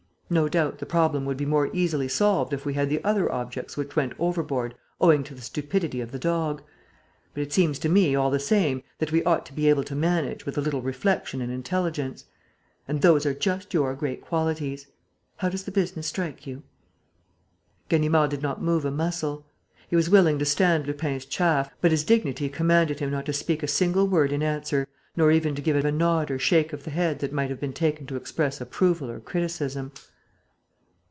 "No doubt, the problem would be more easily solved if we had the other objects which went overboard owing to the stupidity of the dog. But it seems to me, all the same, that we ought to be able to manage, with a little reflection and intelligence. And those are just your great qualities. How does the business strike you?" Ganimard did not move a muscle. He was willing to stand Lupin's chaff, but his dignity commanded him not to speak a single word in answer nor even to give a nod or shake of the head that might have been taken to express approval or or criticism.